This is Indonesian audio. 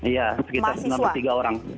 iya sekitar sembilan puluh tiga orang